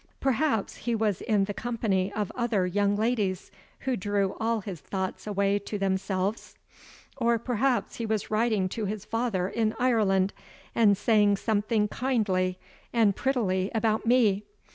Perhaps he was in the company of other young ladies, who drew all his thoughts away to themselves? Or perhaps he was writing to his father in Ireland, and saying something kindly and prettily about me?